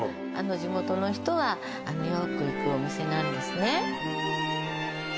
地元の人がよく行くお店なんですね